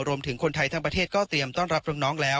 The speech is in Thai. รวมถึงคนไทยทั้งประเทศก็เตรียมต้อนรับน้องแล้ว